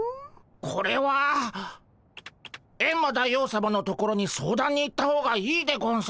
これはエンマ大王さまのところに相談に行った方がいいでゴンス。